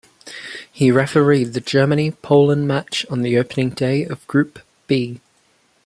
He refereed the Germany-Poland match on the opening day of Group B.